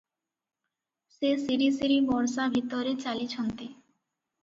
ସେ ସିରିସିରି ବର୍ଷାଭିତରେ ଚାଲିଛନ୍ତି ।